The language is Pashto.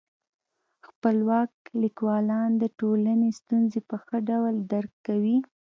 خپلواک لیکوالان د ټولني ستونزي په ښه ډول درک کوي.